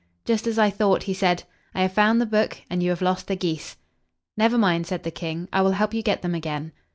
"Just as I thought," he said. "I have found the book, and you have lost the geese." "Never mind," said the king, "I will help you get them again."